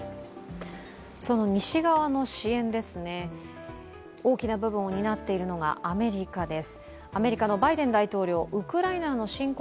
その西側の支援です、大きな部分を担っているのがアメリカです。